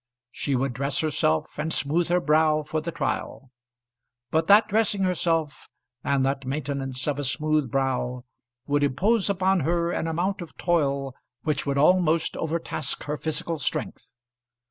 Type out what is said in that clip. She would dress herself, and smooth her brow for the trial; but that dressing herself, and that maintenance of a smooth brow would impose upon her an amount of toil which would almost overtask her physical strength.